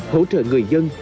hỗ trợ người dân